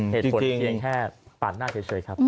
เหตุผลเพียงแค่ปาดหน้าเฉยครับ